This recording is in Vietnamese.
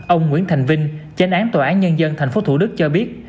ông nguyễn thành vinh tránh án tòa án nhân dân tp thủ đức cho biết